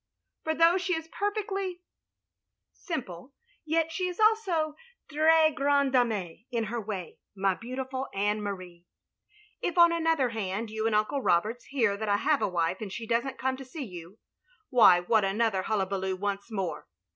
For though she is perfectly ax 322 THE LONELY LADY simple, yet she is also, * trh grande dame,* in her way, my beautiful Anne Marie, ''If on another hand you and Uncle Roberts hear that I have a wife and she does n't come to see you — why what another hullabaloo once more.